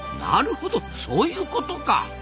なるほどそういうことか。